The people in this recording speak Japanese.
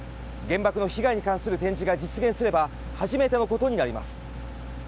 原爆の被害に関する展示が実現すれば初めてのことになります。